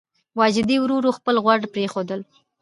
واجدې ورو ورو خپل غوړ پرېښودل.